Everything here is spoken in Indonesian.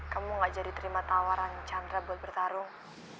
kamu gak jadi terima tawaran chandra buat bertarung